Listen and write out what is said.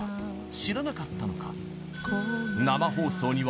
知らなかったのか？